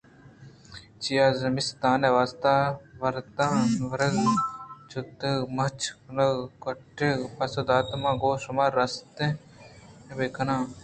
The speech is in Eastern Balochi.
چیا زمستان ءِ واستہ وردن ءُ وراک چِتگ ءُ مُچ نہ کُتگ؟ کٹَگ ءَپسّہ دات من گوں شُما راستین ءَ بہ کناں